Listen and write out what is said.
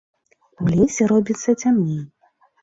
У лесе робіцца цямней.